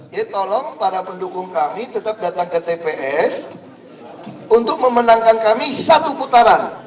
jadi tolong para pendukung kami tetap datang ke tps untuk memenangkan kami satu putaran